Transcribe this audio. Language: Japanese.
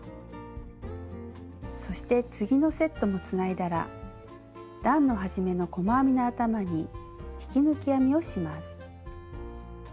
そして次のセットもつないだら段の始めの細編みの頭に引き抜き編みをします。